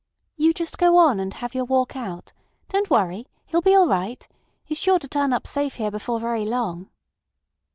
"You just go on, and have your walk out. Don't worry. He'll be all right. He's sure to turn up safe here before very long."